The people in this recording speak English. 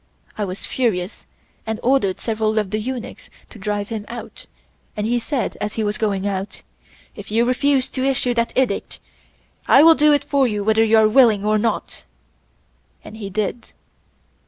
I was furious and ordered several of the eunuchs to drive him out, and he said as he was going out: 'If you refuse to issue that Edict, I will do it for you whether you are willing or not,' and he did.